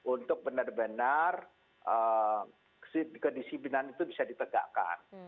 untuk benar benar kedisiplinan itu bisa ditegakkan